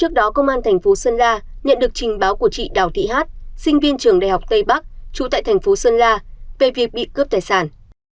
trước đó công an thành phố sơn la nhận được trình báo của chị đào thị hát sinh viên trường đại học tây bắc trú tại thành phố sơn la về việc bị cướp tài sản